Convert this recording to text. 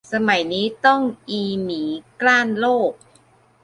สมัยนี้ต้องอีหมีกร้านโลก